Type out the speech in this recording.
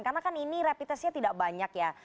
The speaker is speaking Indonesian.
karena kan ini rapid testnya tidak banyak ya